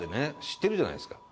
知ってるじゃないですか。